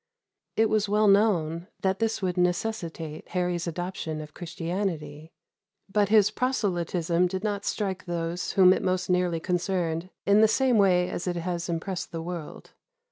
It was well known that this would necessitate Harry's adoption of Christianity; but his proselytism did not strike those whom it most nearly concerned in the same way as it has impressed the world.